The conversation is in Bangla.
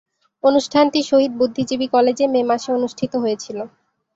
অনুষ্ঠানটি শহীদ বুদ্ধিজীবী কলেজে মে মাসে অনুষ্ঠিত হয়েছিলো।